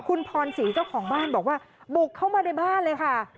คุณพรศรีเจ้าของบ้านบอกว่าบุกเข้ามาในบ้านเลยค่ะ